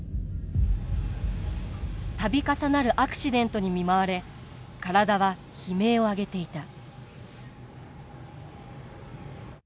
度重なるアクシデントに見舞われ体は悲鳴を上げていた。